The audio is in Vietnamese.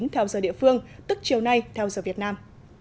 theo giờ địa phương tức chiều nay theo giờ việt nam